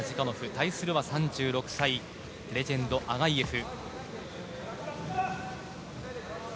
対するは３６歳レジェンド、アガイェフ。